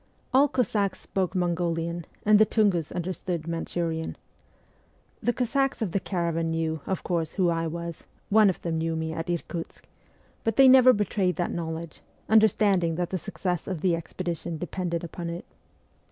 All Cossacks spoke Mongolian, and the Tungus understood Manchurian. The Cossacks of the caravan knew, of course, who I was one of them knew me at Irkutsk but they never betrayed that knowledge, understanding that the suc cess of the expedition depended upon it.